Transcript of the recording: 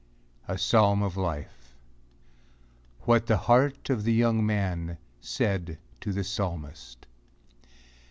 A PSALM OF LIFE. ■WHAT THE HEART OF THE YOUNG MAN SAID TO THE PSALMIST.